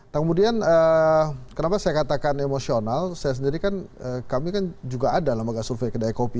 kemudian kenapa saya katakan emosional saya sendiri kan kami kan juga ada lembaga survei kedai kopi